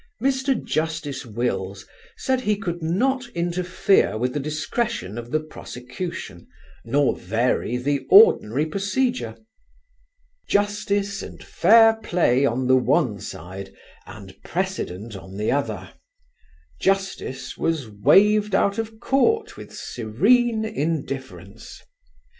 Mr. Justice Wills said he could not interfere with the discretion of the prosecution, nor vary the ordinary procedure. Justice and fair play on the one side and precedent on the other: justice was waved out of court with serene indifference.